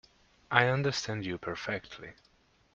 I understand you perfectly.